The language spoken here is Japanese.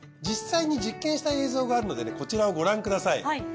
実際に実験した映像があるのでねこちらをご覧ください。